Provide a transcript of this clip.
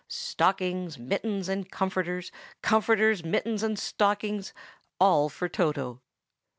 —stockings, mittens, and comforters; comforters, mittens, and stockings: all for Toto.